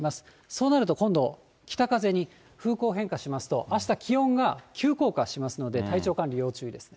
そうなると今度、北風に風向変化しますと、あした、気温が急降下しますので、体調管理、要注意です。